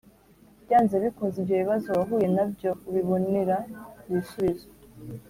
byanze bikunze ibyo bibazo wahuye na byo ubibonera ibisubizo.